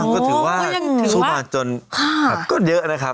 ก็ถือว่าสู้มาจนก็เยอะนะครับ